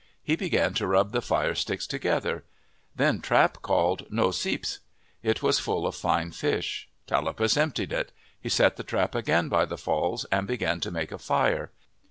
He began to rub the fire sticks together. Then Trap called, "Noseepsk." It was full of fine fish. Tallapus emptied it. He set the trap again by the falls and began to make a fire.